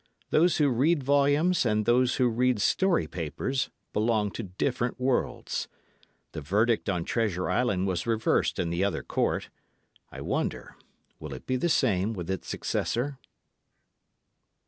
Those who read volumes and those who read story papers belong to different worlds. The verdict on Treasure Island was reversed in the other court; I wonder, will it be the same with its successor?